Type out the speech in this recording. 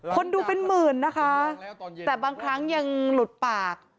คนดูเป็นหมื่นนะคะแต่บางครั้งยังหลุดปาก